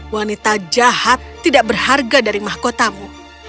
wanita jahat tidak berharga dari mahkotamu